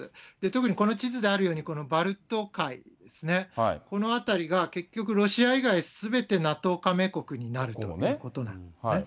特にこの地図であるように、このバルト海ですね、この辺りが結局、ロシア以外、すべてＮＡＴＯ加盟国になるということなんですね。